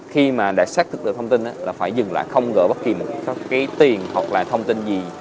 khi mà đã xác thực được thông tin là phải dừng lại không gỡ bất kỳ một cái tiền hoặc là thông tin gì